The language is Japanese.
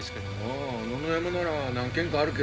ああ野々山なら何軒かあるけどね。